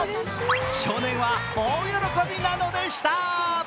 少年は大喜びなのでした。